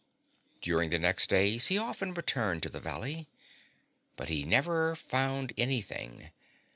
During the next days he often returned to the valley. But he never found anything.